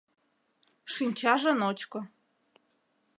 Шинчаже ночко.